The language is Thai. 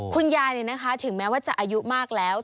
คุณยายถึงแม้ว่าจะอายุมากแล้ว